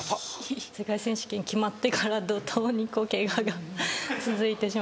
世界選手権決まってから怒濤にケガが続いてしまって。